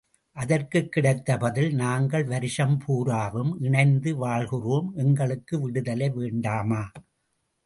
அதற்கு கிடைத்த பதில் நாங்கள் வருஷம் பூராவும் இணைந்து வாழ்கிறோம் எங்களுக்கும் விடுதலை வேண்டாமா?